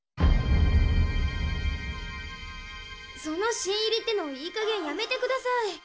その「新入り」ってのいいかげんやめてください。